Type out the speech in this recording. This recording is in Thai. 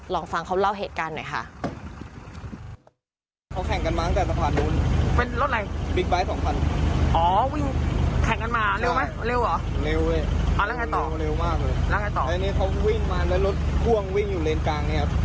ลองฟังเขาเล่าเหตุการณ์หน่อยค่ะ